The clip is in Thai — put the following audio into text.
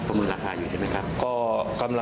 ประเมินราคาอยู่ใช่ไหมครับ